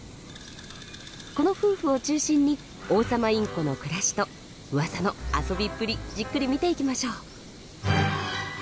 この夫婦を中心に王様インコの暮らしとうわさの遊びっぷりじっくり見ていきましょう。